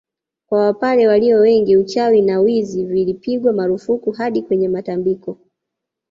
Kwa wapare walio wengi uchawi na wizi vilipigwa marufuku hadi kwenye matambiko